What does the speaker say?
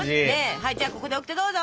はいじゃあここでオキテどうぞ！